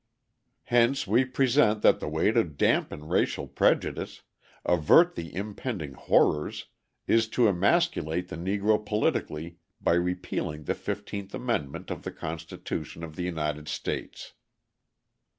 Hence we present that the way to dampen racial prejudice, avert the impending horrors, is to emasculate the Negro politically by repealing the XV Amendment of the Constitution of the United States.